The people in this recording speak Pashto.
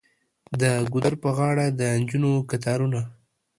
د ګودر په غاړه د نجونو کتارونه.